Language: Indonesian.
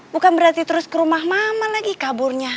bukan berarti terus ke rumah mama lagi kaburnya